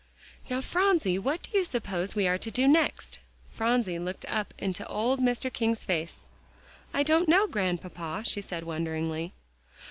"Now, Phronsie, what do you suppose we are to do next?" Phronsie looked up into old Mr. King's face. "I don't know, Grandpapa," she said wonderingly.